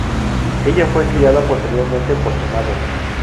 Ella fue criada posteriormente por su madre.